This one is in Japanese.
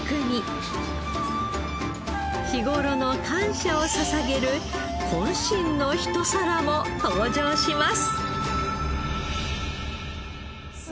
日頃の感謝を捧げる渾身の一皿も登場します。